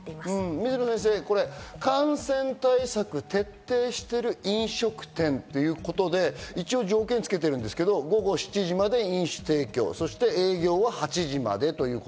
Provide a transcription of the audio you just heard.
水野先生、感染対策を徹底している飲食店ということで条件を付けていますけど、午後７時まで飲酒提供、営業は午後８時まで。